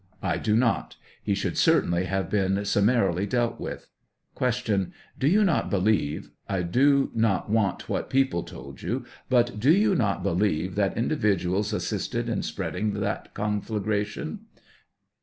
I do not ; he should certainly have been summa rily dealt with. Q. Do you not believe — I do not want what people told you — but do you not believe that individuals assisted in spreading that conflagration